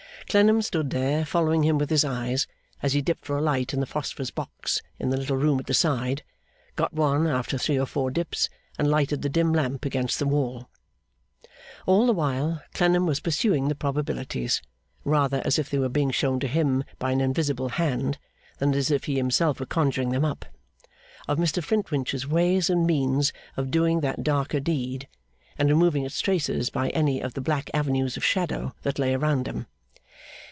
Clennam stood there, following him with his eyes, as he dipped for a light in the phosphorus box in the little room at the side, got one after three or four dips, and lighted the dim lamp against the wall. All the while, Clennam was pursuing the probabilities rather as if they were being shown to him by an invisible hand than as if he himself were conjuring them up of Mr Flintwinch's ways and means of doing that darker deed, and removing its traces by any of the black avenues of shadow that lay around them.